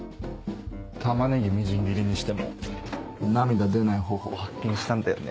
タマネギみじん切りにしても涙出ない方法を発見したんだよね。